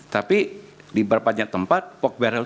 tapi di berapa banyak tempat poke barrel